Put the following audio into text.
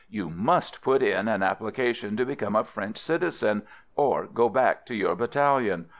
"You must put in an application to become a French citizen, or go back to your battalion.